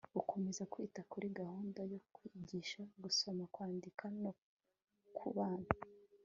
gukomeza kwita kuri gahunda yo kwigisha gusoma, kwandika no kubara